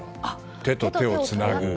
手と手をつなぐ。